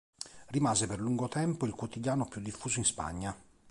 Rimase per lungo tempo il quotidiano più diffuso in Spagna.